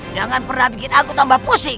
jangan pernah bikin aku tambah pusing